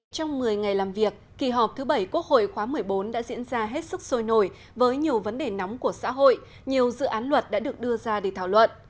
trong một mươi ngày làm việc kỳ họp thứ bảy quốc hội khóa một mươi bốn đã diễn ra hết sức sôi nổi với nhiều vấn đề nóng của xã hội nhiều dự án luật đã được đưa ra để thảo luận